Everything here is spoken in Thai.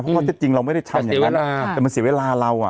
เพราะว่าจริงเราไม่ได้ชั้นอย่างนั้นแต่มันเสียเวลาเราอ่ะ